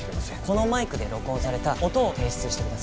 このマイクで録音された音を提出してください。